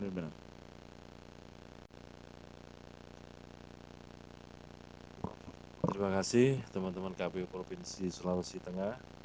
terima kasih teman teman kpu provinsi sulawesi tengah